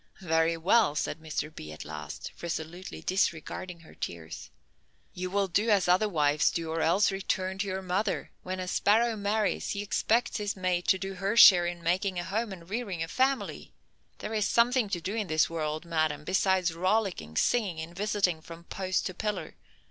"Very well," said Mr. B., at last, resolutely disregarding her tears, "you will do as other wives do or else return to your mother. When a sparrow marries he expects his mate to do her share in making a home, and rearing a family. There is something to do in this world, madame, besides rollicking, singing, and visiting from post to pillar.